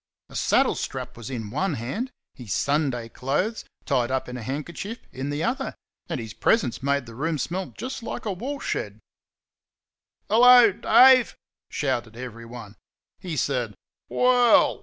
A saddle strap was in one hand, his Sunday clothes, tied up in a handkerchief, in the other, and his presence made the room smell just like a woolshed. "Hello, Dave!" shouted everyone. He said "Well!"